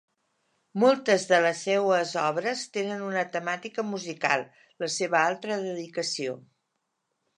Moltes de les seues obres tenen una temàtica musical, la seva altra dedicació.